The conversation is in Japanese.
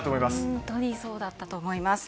本当にそうだったと思います。